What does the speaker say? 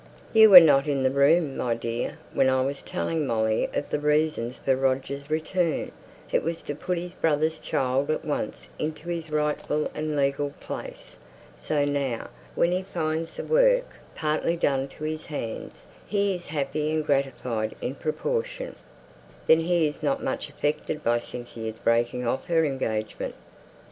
"You were not in the room, my dear, when I was telling Molly of the reasons for Roger's return; it was to put his brother's child at once into his rightful and legal place. So now, when he finds the work partly done to his hands, he is happy and gratified in proportion." "Then he is not much affected by Cynthia's breaking off her engagement?"